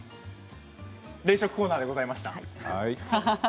冷食コーナーでございました。